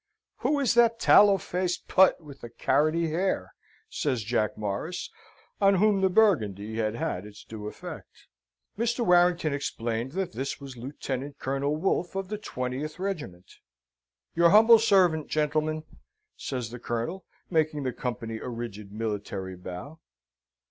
"Who is that tallow faced Put with the carroty hair?" says Jack Morris, on whom the Burgundy had had its due effect. Mr. Warrington explained that this was Lieutenant Colonel Wolfe, of the 20th Regiment. "Your humble servant, gentlemen!" says the Colonel, making the company a rigid military bow.